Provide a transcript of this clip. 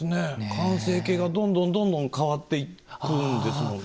完成形がどんどんどんどん変わっていくんですもんね。